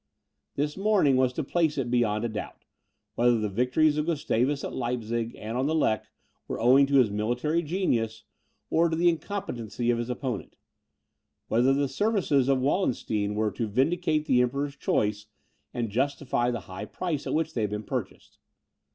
This morning was to place it beyond a doubt, whether the victories of Gustavus at Leipzig and on the Lech, were owing to his own military genius, or to the incompetency of his opponent; whether the services of Wallenstein were to vindicate the Emperor's choice, and justify the high price at which they had been purchased.